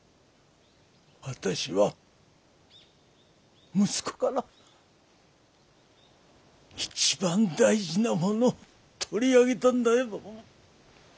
私は息子から一番大事なものを取り上げたんだよ。